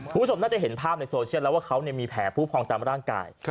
คุณผู้ชมน่าจะเห็นภาพในโซเชียลแล้วว่าเขามีแผลผู้พองตามร่างกาย